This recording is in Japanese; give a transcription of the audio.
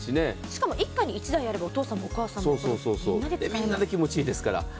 しかも一家に１台あればお父さんもお母さんもみんなで使えます。